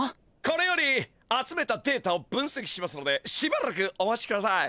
これより集めたデータを分せきしますのでしばらくお待ちください。